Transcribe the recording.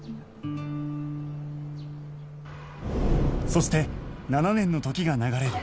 そして７年の時が流れる